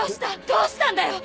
どうしたんだよ！？